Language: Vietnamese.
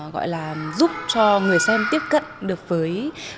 gọi là giúp cho người xem tiếp cận được với